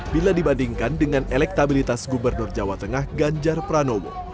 bila dibandingkan dengan elektabilitas gubernur jawa tengah ganjar pranowo